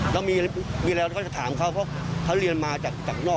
แล้วมีอะไรเขาจะถามเขาเพราะเขาเรียนมาจากนอก